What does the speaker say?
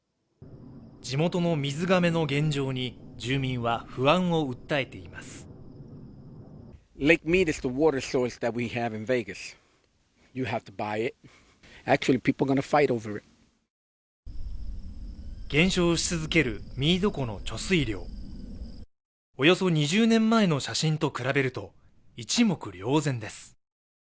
地元の水がめの現状に住民は不安を訴えています減少し続けるミード湖の貯水量およそ２０年前の写真と比べると一目瞭然です